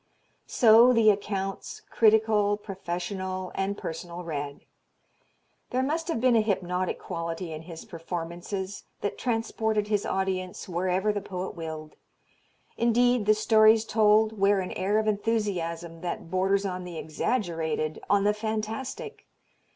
So the accounts, critical, professional and personal read. There must have been a hypnotic quality in his performances that transported his audience wherever the poet willed. Indeed the stories told wear an air of enthusiasm that borders on the exaggerated, on the fantastic.